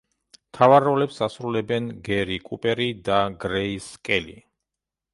მთავარ როლებს ასრულებენ გერი კუპერი და გრეის კელი.